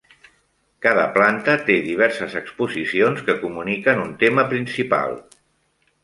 Cada planta té diverses exposicions que comuniquen un tema principal.